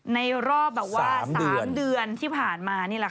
ในรอบ๓เดือนที่ผ่านมาเนี่ยนี่แหละ